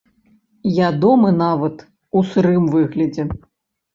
Ядомы нават у сырым выглядзе.